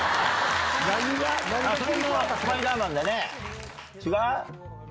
それもスパイダーマンだね違う？